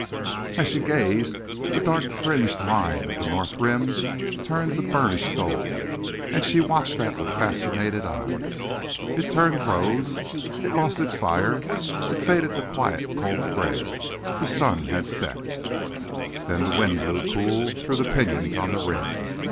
As she gazed the dark fringed line of the north rim turned to burnished gold, and she watched that with fascinated eyes. It turned rose, it lost its fire, it faded to quiet cold gray. The sun had set. Then the wind blew cool through the pinyons on the rim.